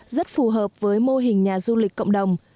rất phù hợp với mô hình nhà du lịch cộng đồng